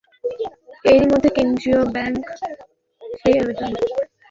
এরই মধ্যে কেন্দ্রীয় ব্যাংক সেই আবেদন অনুমোদন করে বাড়তি সময় দিয়েছে।